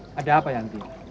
sepertinya ngak monster itu